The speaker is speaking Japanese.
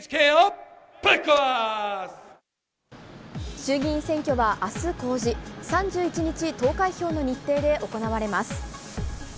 衆議院選挙は明日公示、３１日投開票の日程で行われます。